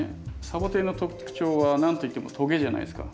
サボテンの特徴は何といってもトゲじゃないですか。